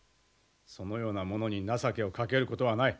そのような者に情けをかけることはない。